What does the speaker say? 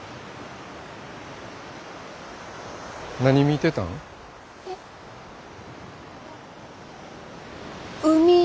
何見てたん？